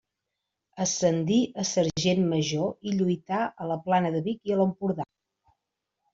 Ascendí a sergent major i lluità a la plana de Vic i a l'Empordà.